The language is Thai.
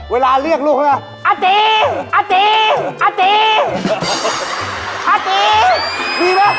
เวลาเรียกลูกแล้ว